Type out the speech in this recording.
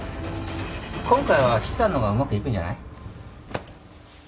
今回は菱さんのほうがうまくいくんじゃない？